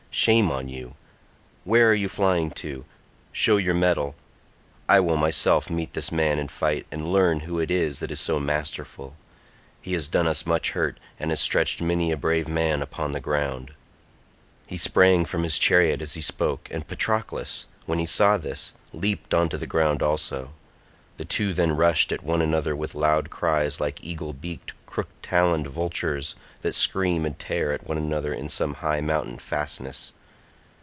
"Shame on you, where are you flying to? Show your mettle; I will myself meet this man in fight and learn who it is that is so masterful; he has done us much hurt, and has stretched many a brave man upon the ground." He sprang from his chariot as he spoke, and Patroclus, when he saw this, leaped on to the ground also. The two then rushed at one another with loud cries like eagle beaked crook taloned vultures that scream and tear at one another in some high mountain fastness.